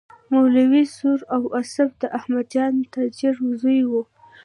مولوي سرور واصف د احمدجان تاجر زوی و.